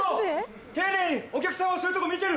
お客さんはそういうとこ見てる。